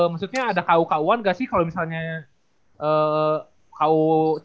maksudnya ada ku ku an nggak sih kalau misalnya ku tiga belas ku lima belas gitu